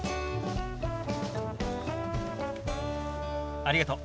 ありがとう。